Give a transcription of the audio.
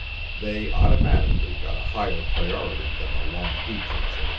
They automatically got a higher priority than the Long Beach Incident.